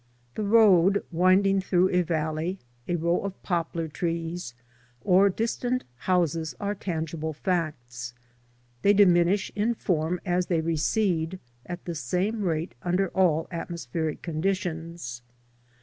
The road winding through a valley, a row of poplar trees, or distant houses are tangible facts. They diminish in form as they recede, at the same rate under all atmospheric conditions.